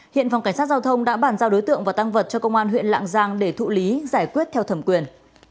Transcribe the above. hiện phòng cảnh sát giao thông đã bàn giao đối tượng và tăng vật cho công an huyện lạng giang để thụ lý giải quyết theo thẩm quyền